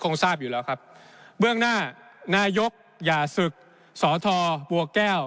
ทราบอยู่แล้วครับเบื้องหน้านายกอย่าศึกสอทอบัวแก้ว